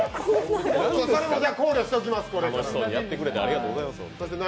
それも考慮しておきます。